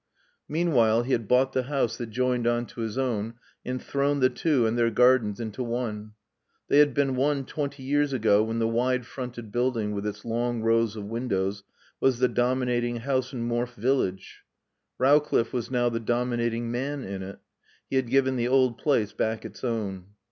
Meanwhile he had bought the house that joined on to his own and thrown the two and their gardens into one. They had been one twenty years ago, when the wide fronted building, with its long rows of windows, was the dominating house in Morfe village. Rowcliffe was now the dominating man in it. He had given the old place back its own.